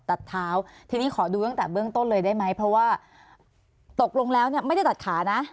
ตัดเท้าทีนี้ขอดูตั้งแต่เบื้องต้นเลยได้ไหมเพราะว่าตกลงแล้วเนี่ยไม่ได้ตัดขานะ